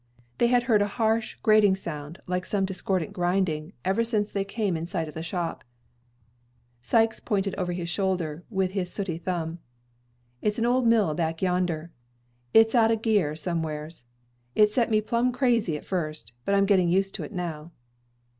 They had heard a harsh, grating sound, like some discordant grinding, ever since they came in sight of the shop. Sikes pointed over his shoulder with his sooty thumb. "It's an ole mill back yender. It's out o' gear somew'eres. It set me plumb crazy at first, but I'm gettin' used to it now."